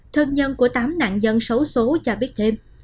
thân nhân của tám nạn nhân xấu xố cho biết thêm